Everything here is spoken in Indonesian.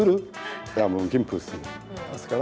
saya mempunyai menu